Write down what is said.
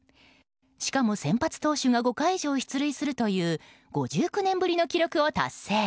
しかも、先発投手が５回以上出塁するという５９年ぶりの記録を達成。